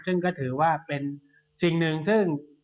ซึ่งก็ถือว่าเป็นสิ่งหนึ่งซึ่ง